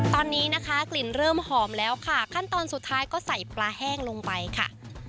ตอนนี้นะคะกลิ่นเริ่มหอมแล้วค่ะขั้นตอนสุดท้ายก็ใส่ปลาแห้งลงไปค่ะ